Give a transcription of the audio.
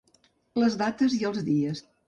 Les dates i els dies.